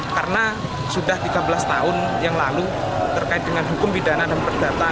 karena sudah tiga belas tahun yang lalu terkait dengan hukum bidana dan perdata